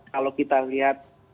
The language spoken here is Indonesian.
kalau kita lihat